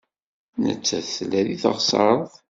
Nettat tella deg teɣsert.